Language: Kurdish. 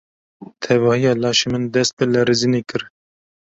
Tevahiya laşê min dest bi lerizînê kir.